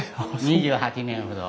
２８年ほど。